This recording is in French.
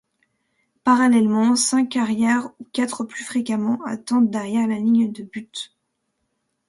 Parallèlement, cinq arrières ou quatre plus fréquemment, attendent derrière la ligne de but.